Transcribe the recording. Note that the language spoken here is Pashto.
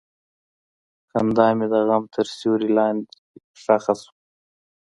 خندا مې د غم تر سیوري لاندې ښخ شوه.